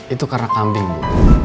itu karena kambing bu